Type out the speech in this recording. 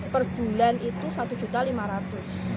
perbulan itu rp satu lima ratus